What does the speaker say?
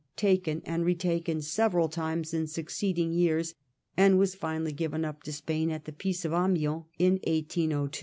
taken, and retaken several times in succeeding years, and was finally given up to Spain at the Peace of Amiens in 1802.